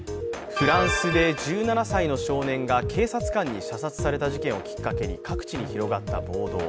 フランスで１７歳の少年が警察官に射殺された事件をきっかけに各地に広がった暴動。